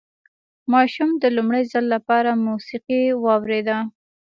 ماشوم د لومړي ځل لپاره موسيقي واورېده.